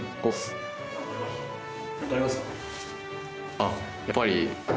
あっやっぱり。